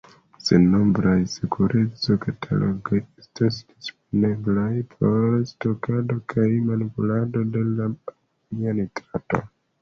Sennombraj sekureco-katalogoj estas disponeblaj por stokado kaj manipulado de la amonia nitrato.